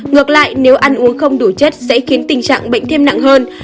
ngược lại nếu ăn uống không đủ chất sẽ khiến tình trạng bệnh thêm nặng hơn